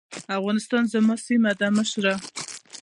افغانستان زما سيمه ده مشره.